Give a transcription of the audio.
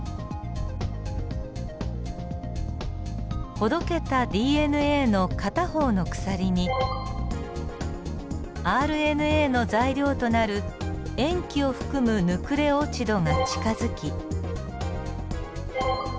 ほどけたＤＮＡの片方の鎖にＲＮＡの材料となる塩基を含むヌクレオチドが近づき。